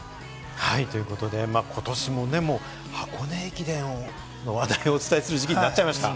ことしも箱根駅伝の話題をお伝えする時期になっちゃいました。